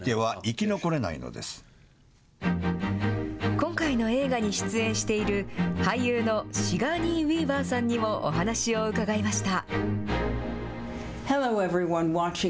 今回の映画に出演している、俳優のシガーニー・ウィーバーさんにもお話を伺いました。